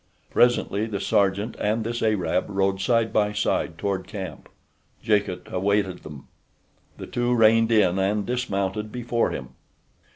Presently the sergeant and this Arab rode side by side toward camp. Jacot awaited them. The two reined in and dismounted before him.